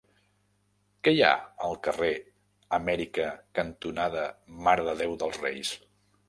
Què hi ha al carrer Amèrica cantonada Mare de Déu dels Reis?